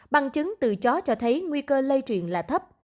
bằng chứng từ chó cho thấy nguy cơ lây truyền là thấp